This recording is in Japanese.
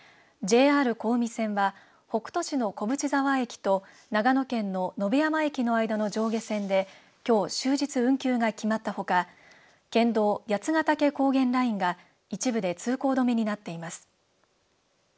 ＪＲ小海線は北杜市の小淵沢駅と長野県の野辺山駅の間の上下線できょう終日運休が決まったほか県道、八ヶ岳高原ラインが一部で通行止めになっています。